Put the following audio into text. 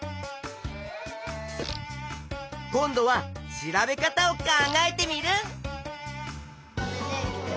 今度は調べ方を考えテミルン！